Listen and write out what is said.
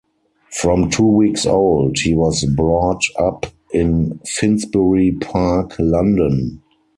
From two weeks old, he was brought up in Finsbury Park, London.